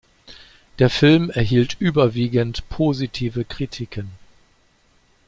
Der Film erhielt überwiegend positive Kritiken.